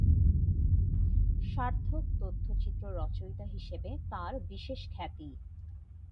সার্থক তথ্যচিত্র রচয়িতা হিসাবে তাঁর বিশেষ খ্যাতি।